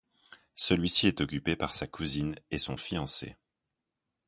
Celui-ci est occupé par sa cousine et son fiancé.